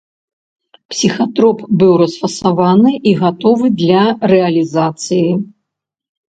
Псіхатроп быў расфасаваны і гатовы для рэалізацыі.